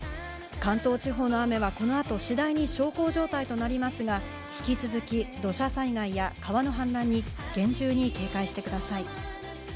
関東地方の雨はこの後、次第に小康状態となりますが、引き続き土砂災害や川の氾濫に厳重に警戒してください。